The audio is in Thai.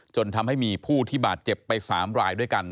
จนทำให้มีผู้ที่บาดเจ็บไป๓รายด้วยกัน